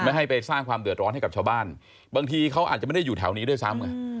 ให้ไปสร้างความเดือดร้อนให้กับชาวบ้านบางทีเขาอาจจะไม่ได้อยู่แถวนี้ด้วยซ้ำไง